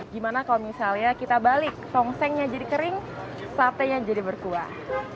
gimana kalau misalnya kita balik tongsengnya jadi kering satenya jadi berkuah